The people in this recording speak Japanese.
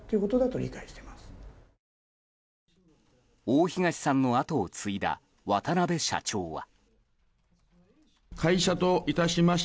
大東さんの後を継いだ渡邊社長は。